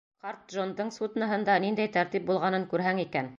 Ҡарт Джондың судноһында ниндәй тәртип булғанын күрһәң икән!